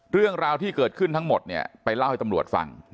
เรื่องราวที่เกิดขึ้นทั้งหมดเนี่ยไปเล่าให้ตำรวจฟัง